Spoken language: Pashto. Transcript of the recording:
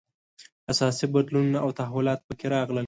اساسي بدلونونه او تحولات په کې راغلل.